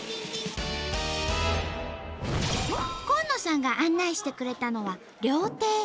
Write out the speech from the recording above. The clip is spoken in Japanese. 公野さんが案内してくれたのは料亭。